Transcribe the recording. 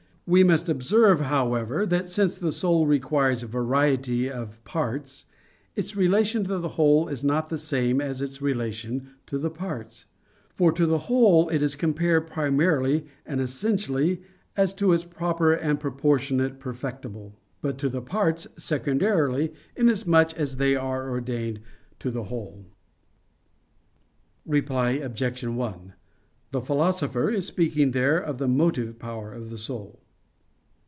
We must observe, however, that since the soul requires variety of parts, its relation to the whole is not the same as its relation to the parts; for to the whole it is compared primarily and essentially, as to its proper and proportionate perfectible; but to the parts, secondarily, inasmuch as they are ordained to the whole. Reply Obj. 1: The Philosopher is speaking there of the motive power of the soul.